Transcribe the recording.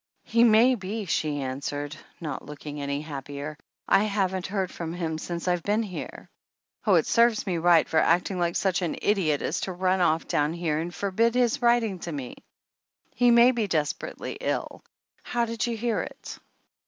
"He may be," she answered, not looking any happier. "I haven't heard from him since I've been here! Oh, it serves me right for acting such an idiot as to run off down here and forbid his writing to me! He may be desperately ill! How did you hear it?"